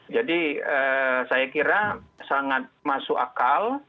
jadi saya kira sangat masuk akal